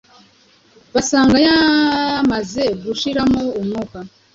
basanga yamaze gushiramo umwuka,